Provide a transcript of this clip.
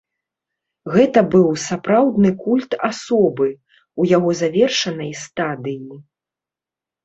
Гэта быў сапраўдны культ асобы, у яго завершанай стадыі.